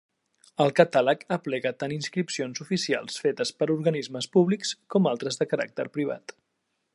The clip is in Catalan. El catàleg aplega tant inscripcions oficials fetes per organismes públics, com altres de caràcter privat.